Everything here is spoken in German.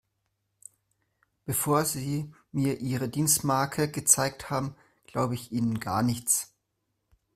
Bevor Sie mir Ihre Dienstmarke gezeigt haben, glaube ich Ihnen gar nichts.